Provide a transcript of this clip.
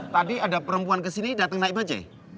tadi ada perempuan kesini dateng naik bacay